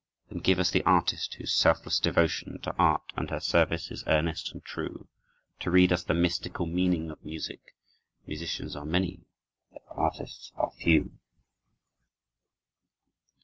Then give us the artist whose selfless devotion To Art and her service is earnest and true, To read us the mystical meaning of music; Musicians are many, but artists are few.